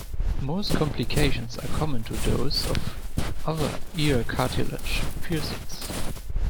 Most complications are common to those of other ear cartilage piercings.